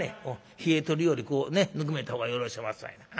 冷えとるよりぬくめた方がよろしおますわいな。